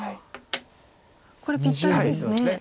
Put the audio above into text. これぴったりですね。